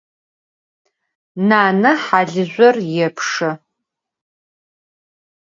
Naner halızjom yêpşe.